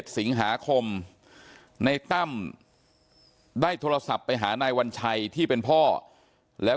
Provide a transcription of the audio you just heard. น้องจ้อยนั่งก้มหน้าไม่มีใครรู้ข่าวว่าน้องจ้อยเสียชีวิตไปแล้ว